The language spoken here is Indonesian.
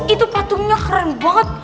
itu patungnya keren banget